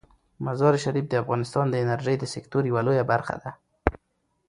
مزارشریف د افغانستان د انرژۍ د سکتور یوه لویه برخه ده.